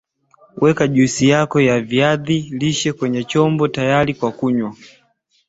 Weka juisi yako ya viazi lishe kwenye chombo tayari kwa kunywa